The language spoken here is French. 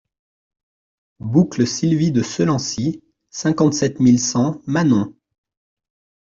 Boucle Sylvie de Selancy, cinquante-sept mille cent Manom